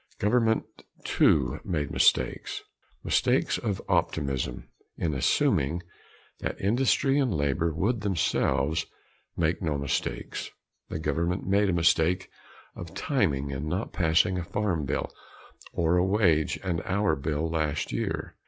Government too made mistakes mistakes of optimism in assuming that industry and labor would themselves make no mistakes and government made a mistake of timing in not passing a farm bill or a wage and hour bill last year.